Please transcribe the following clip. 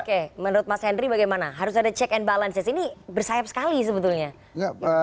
oke menurut mas henry bagaimana harus ada check and balances ini bersayap sekali sebetulnya